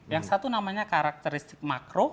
yang satu namanya karakteristik makro